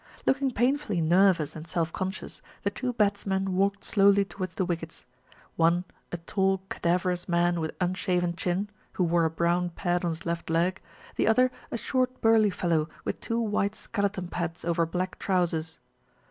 Looking painfully nervous and self conscious, the two batsmen walked slowly towards the wickets; one a tall cadaverous man with unshaven chin, who wore a brown pad on his left leg, the other a short burly fellow with two white skeleton pads over black trousers.